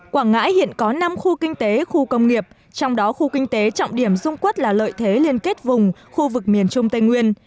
quảng ngãi hiện có năm khu kinh tế khu công nghiệp trong đó khu kinh tế trọng điểm dung quất là lợi thế liên kết vùng khu vực miền trung tây nguyên